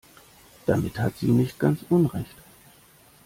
Damit hat sie nicht ganz Unrecht.